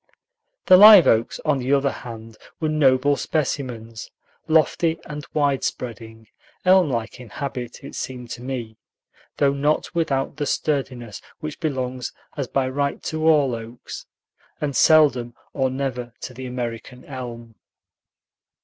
The live oaks, on the other hand, were noble specimens; lofty and wide spreading, elm like in habit, it seemed to me, though not without the sturdiness which belongs as by right to all oaks, and seldom or never to the American elm.